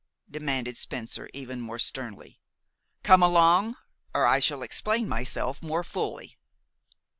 demanded Spencer even more sternly. "Come along, or I shall explain myself more fully!"